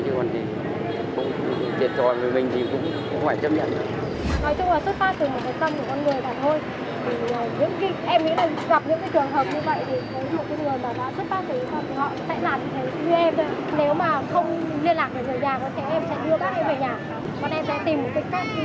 chứ còn gì thiệt rồi với mình thì cũng không phải chấp nhận được